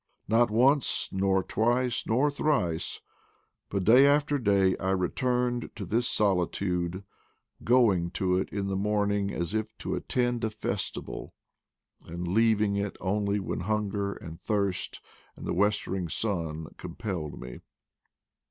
Not once, nor twice, nor thrice, but day after day I returned to this solitude, going to it in the morning as if to attend a festival, and leaving it only when hunger and thirst and the westering sun compelled me.